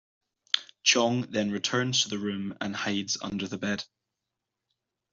Chong then returns to the room and hides under the bed.